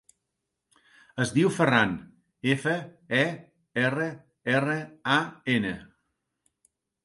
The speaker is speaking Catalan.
Es diu Ferran: efa, e, erra, erra, a, ena.